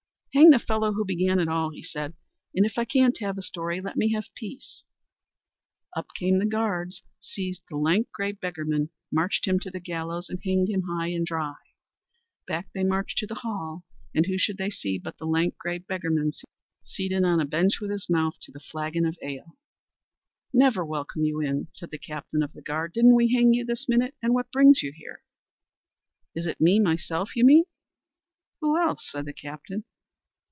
"Hang the fellow who began it all," said he; "and if I can't have a story, let me have peace." Up came the guards, seized the lank, grey beggarman, marched him to the gallows and hanged him high and dry. Back they marched to the hall, and who should they see but the lank, grey beggarman seated on a bench with his mouth to a flagon of ale. "Never welcome you in," cried the captain of the guard, "didn't we hang you this minute, and what brings you here?" "Is it me myself, you mean?" "Who else?" said the captain.